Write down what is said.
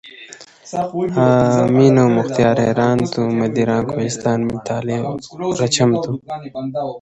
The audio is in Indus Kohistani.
اُو مرض چئ زیات آن٘سیۡ۔